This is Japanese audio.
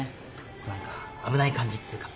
何か危ない感じっつうか。